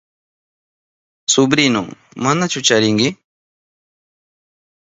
Suprinu, ¿manachu chirinki?